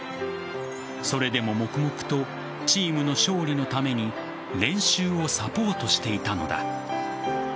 それでも黙々とチームの勝利のために練習をサポートしていたのだ。